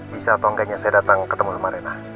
bisa atau enggaknya saya datang ketemu sama rena